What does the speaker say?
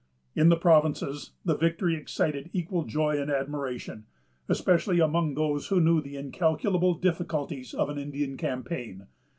In the provinces, the victory excited equal joy and admiration, especially among those who knew the incalculable difficulties of an Indian campaign.